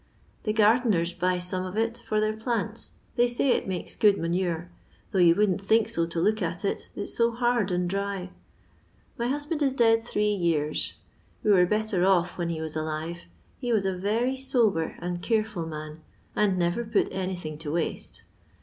The gar* deners buy some of it, for their plants^ they mj it makes good manure, though you weoldnt think so to look at it, it 's so hvd and dry. My husband is dead three years ; we were better eff when he was alive; he was a yery sober aad careful man, and never put anything to waste.